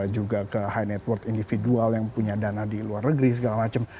juga ke high network individual yang punya dana di luar negeri segala macam